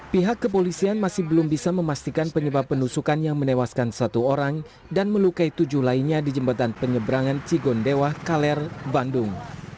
pihak kepolisian masih belum bisa memastikan penyebab penusukan yang menewaskan satu orang dan melukai tujuh lainnya di jembatan penyeberangan cigondewa kaler bandung